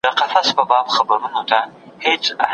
ښوونکی باید ډیر زغم ولري.